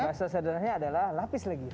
bahasa sederhananya adalah lapis lagi